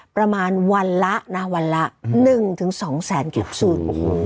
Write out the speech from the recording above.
ประมาณวันละ๑๒แสนเกี่ยวซูอิน